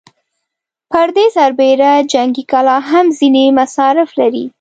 پر دې سربېره جنګي کلا هم ځينې مصارف لري.